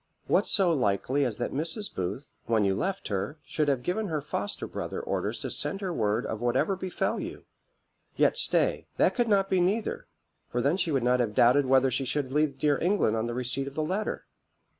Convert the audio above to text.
What so likely as that Mrs. Booth, when you left her, should have given her foster brother orders to send her word of whatever befel you? Yet stay that could not be neither; for then she would not have doubted whether she should leave dear England on the receipt of the letter.